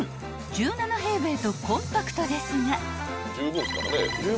１７平米とコンパクトですが］